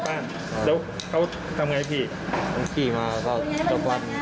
แล้วเขาทำไงพี่กี่มาอ่ะ